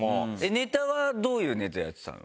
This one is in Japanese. ネタはどういうネタやってたの？